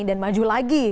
dan maju lagi